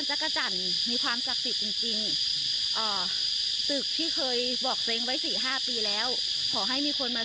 สายสายมามีเจ๊โทรมาเลย